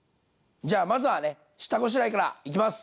じゃあまずはね下ごしらえからいきます。